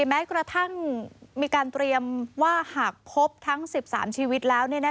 แม้กระทั่งมีการเตรียมว่าหากพบทั้ง๑๓ชีวิตแล้ว